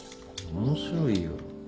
面白いよ。